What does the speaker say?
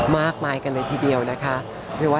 มากมายกันเลยทีเดียวนะคะ